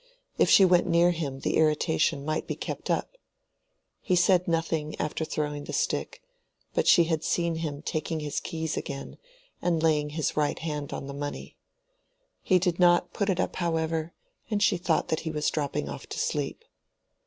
If she went near him the irritation might be kept up. He had said nothing after throwing the stick, but she had seen him taking his keys again and laying his right hand on the money. He did not put it up, however, and she thought that he was dropping off to sleep.